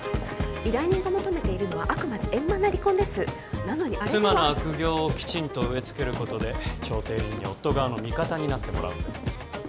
依頼人が求めているのはあくまで円満な離婚ですなのに妻の悪行をきちんと植えつけることで調停委員に夫側の味方になってもらうんだよ